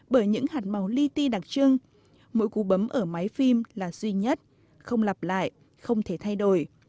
bởi những hạt màu liti đặc trưng mỗi cú bấm ở máy phim là duy nhất không lặp lại không thể thay đổi